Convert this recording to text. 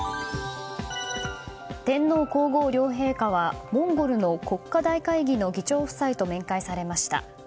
天皇・皇后両陛下はモンゴルの国家大会議の議長夫妻と面会されました。